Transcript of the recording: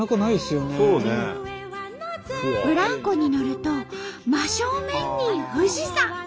ブランコに乗ると真正面に富士山。